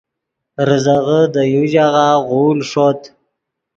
ریزغے دے یو ژاغہ غول ݰوت